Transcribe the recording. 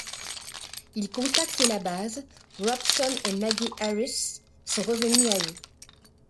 Ils contactent la base, Robson et Maggie Harris sont revenus à eux.